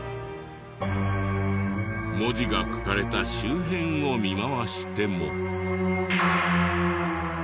文字が書かれた周辺を見回しても。